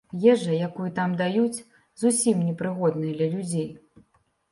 Ежа, якую там даюць, зусім не прыгодная для людзей.